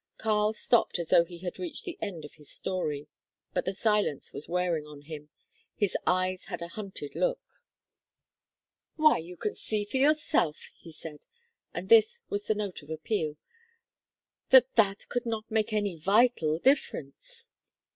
Karl stopped as though he had reached the end of his story. But the silence was wearing on him. His eyes had a hunted look. "Why, you can see for yourself," he said and this was the note of appeal "that that could not make any vital difference." Dr.